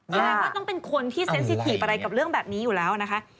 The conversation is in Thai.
แปลว่าต้องเป็นคนที่ป็าลักษณ์ศักดิ์อะไรกับเรื่องแบบนี้อยู่แล้วนะคะ